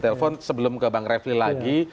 telepon sebelum ke bang refli lagi